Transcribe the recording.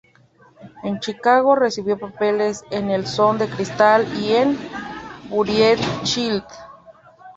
En Chicago, recibió papeles en "El zoo de cristal" y en "Buried Child".